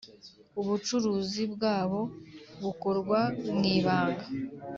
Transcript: ubucuruzi bwabo bukorwa mwibanga.